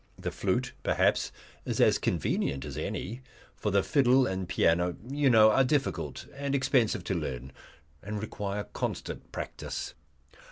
The flute, perhaps, is as convenient as any; for the fiddle and piano, you know, are difficult and expensive to learn, and require constant practice.